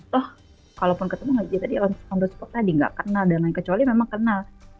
toh kalaupun ketemu jadi on spon the spot tadi nggak kenal dan lain kecuali memang kenal